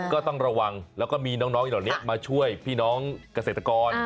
ก็ต้องระวังแล้วก็มีน้องอีกเหล่านี้มาช่วยพี่น้องเกษตรกร